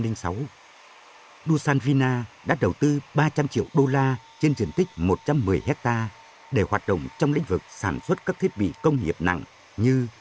đu san vina đã đầu tư ba trăm linh triệu đô la trên diện tích một trăm một mươi hectare để hoạt động trong lĩnh vực sản xuất các thiết bị công nghiệp nặng như